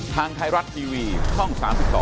ทางไทยรัฐทีวีช่อง๓๒